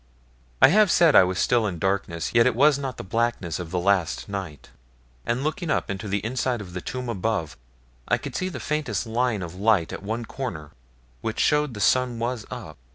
I have said I was still in darkness, yet it was not the blackness of the last night; and looking up into the inside of the tomb above, I could see the faintest line of light at one corner, which showed the sun was up.